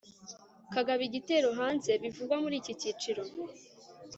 kakagaba igitero hanze bivugwa muri iki cyiciro